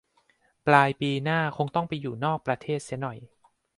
ปลายปีหน้าคงต้องไปอยู่นอกประเทศเสียหน่อย